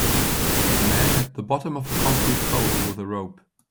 a man at the bottom of a concrete hole with a rope.